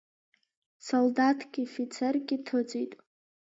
Солдаҭки фицерки ҭыҵит.